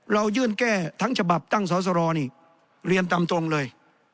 เรายื่นแก้ทั้งฉบับตั้งสอสรนี่เรียนตามตรงเลย